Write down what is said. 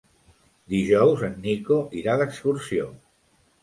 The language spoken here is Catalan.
Dijous en Nico irà d'excursió.